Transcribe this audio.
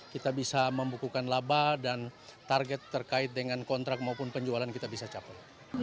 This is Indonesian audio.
kita bisa membukukan laba dan target terkait dengan kontrak maupun penjualan kita bisa capai